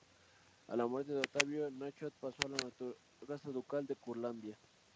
A la muerte de Ottavio, Náchod pasó a la casa ducal de Curlandia.